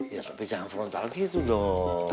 ya tapi jangan frontal gitu dong